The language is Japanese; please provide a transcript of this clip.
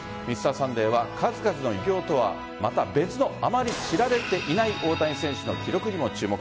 「Ｍｒ．サンデー」は数々の偉業とはまた別のあまり知られていない大谷選手の記録にも注目。